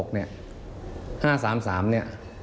๕๓๓เนี่ย